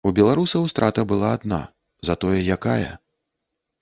У беларусаў страта была адна, затое якая!